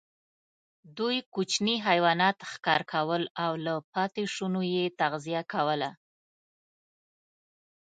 دوی کوچني حیوانات ښکار کول او له پاتېشونو یې تغذیه کوله.